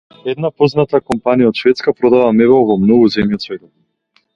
Една позната компанија од Шведска продава мебел во многу земји од светот.